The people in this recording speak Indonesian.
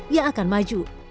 yang akan maju